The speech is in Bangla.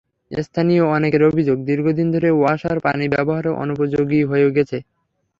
স্থানীয় অনেকের অভিযোগ, দীর্ঘদিন ধরে ওয়াসার পানি ব্যবহারের অনুপযোগী হয়ে গেছে।